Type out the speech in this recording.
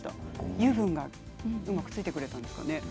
油分がうまくついてくれたんでしょうね。